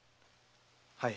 はい。